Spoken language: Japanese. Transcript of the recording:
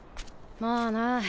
まあな。